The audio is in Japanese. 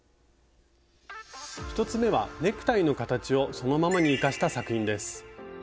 １つ目はネクタイの形をそのままに生かした作品です。